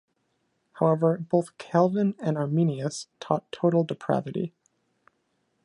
However, both Calvin and Arminius taught total depravity.